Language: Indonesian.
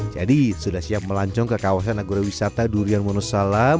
jadi sudah siap melancong ke kawasan agrowisata durian monosalam